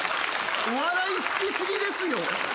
お笑い好き過ぎですよ。